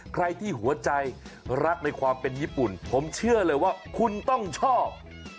ใครที่หัวใจรักในความเป็นญี่ปุ่นผมเชื่อเลยว่าคุณต้องชอบ